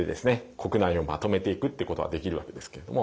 国内をまとめていくってことはできるわけですけれども。